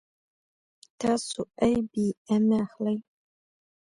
تاسو آی بي ایم اخلئ